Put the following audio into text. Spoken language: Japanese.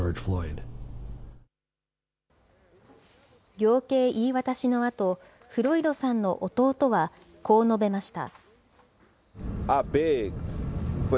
量刑言い渡しのあと、フロイドさんの弟はこう述べました。